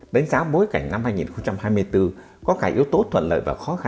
đánh giá bối cảnh năm hai nghìn hai mươi bốn có cả yếu tố thuận lợi và khó khăn